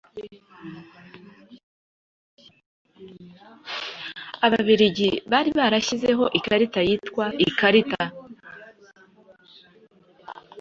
Ababiligi bari barashyizeho ikarita yitwa ikarita